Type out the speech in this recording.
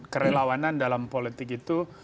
kerelawanan dalam politik itu